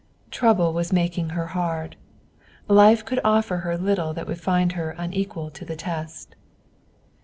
Trouble was making her hard; life could offer her little that would find her unequal to the test.